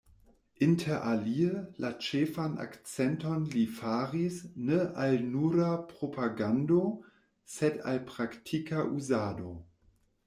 Interalie la ĉefan akcenton li faris ne al nura propagando, sed al praktika uzado.